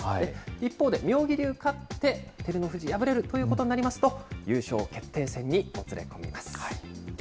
一方で妙義龍勝って、照ノ富士敗れるということになりますと、優勝決定戦にもつれこみます。